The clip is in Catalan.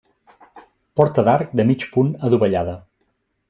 Porta d'arc de mig punt adovellada.